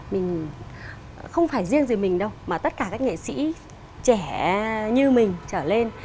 mình không phải riêng gì mình đâu mà tất cả các nghệ sĩ trẻ như mình trở lên